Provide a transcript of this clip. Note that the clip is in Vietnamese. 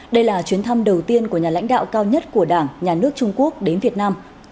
đây là chuyến thăm đầu tiên của nhà lãnh đạo cao nhất của đảng nhà nước trung quốc đến việt nam